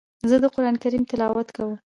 زه د قران کریم تلاوت کوم.